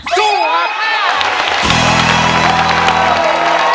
สู้ค่ะ